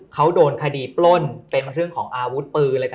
เขาโดนคดีปล้นเป็นเรื่องของอาวุธปืน